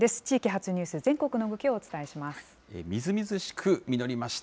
地域発ニュース、全国の動きをお伝えします。